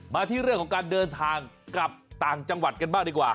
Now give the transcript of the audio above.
มาที่เรื่องของการเดินทางกลับต่างจังหวัดกันบ้างดีกว่า